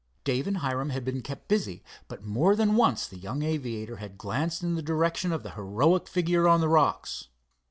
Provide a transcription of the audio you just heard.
Dave and Hiram had been kept busy, but more than once the young aviator had glanced in the direction of the heroic figure on the rocks.